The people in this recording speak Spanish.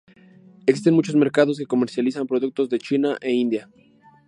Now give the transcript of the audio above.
Existen muchos mercados que comercializan productos de China e India.